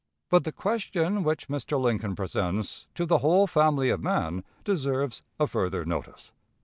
But the question which Mr. Lincoln presents "to the whole family of man" deserves a further notice.